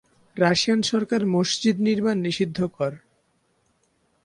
Russian সরকার মসজিদ নির্মাণ নিষিদ্ধ কর।